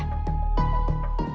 dengan ingin tau privasi saya